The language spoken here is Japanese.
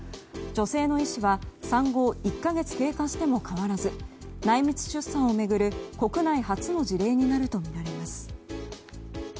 女性の意思は産後１か月経過しても変わらず内密出産を巡る国内初の事例になるとみられます。